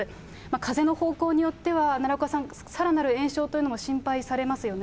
風の方向によっては、奈良岡さん、さらなる延焼というのも心配されますよね。